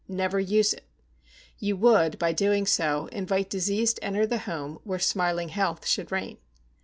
Never use it. You would, by doing so, invite disease to enter the home where smiling health should reign.